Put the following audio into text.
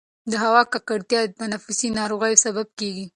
د هوا ککړتیا د تنفسي ناروغیو سبب کېږي.